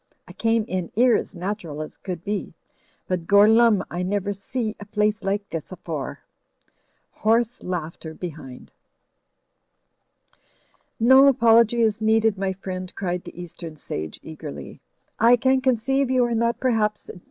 I came in 'ere as natural as could be. But Gorlumme, I never see a place like this afore." (Hoarse laughter behind.) "No apology is needed, my friend," cried the East em sage, eagerly, "I can conceive you are not perhaps u,y,u.